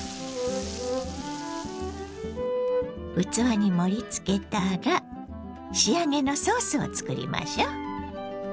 器に盛りつけたら仕上げのソースを作りましょ。